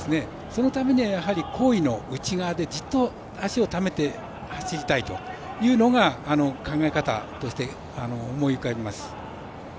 そのためには、好位の内側でじっと脚をためて走りたいというのが考え方として思い浮かびます。